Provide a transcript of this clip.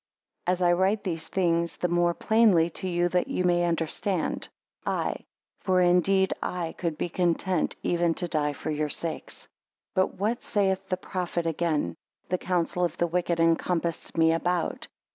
I write these things the more plainly to you that ye may understand: I For indeed I could be content even to die for your sakes. 5 But what saith the prophet again; The counsel of the wicked encompassed me about.